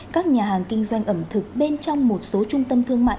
các nhà hàng kinh doanh ẩm thực bên trong một số trung tâm thương mại